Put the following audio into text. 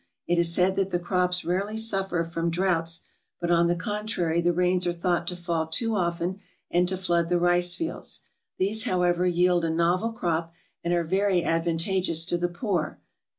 It is said that the crops rarely suffer from droughts, but on the contrary the rains are thought to fall too often and to flood the rice fields ; these, however, yield a novel crop, and are very advantageous to the poor, viz.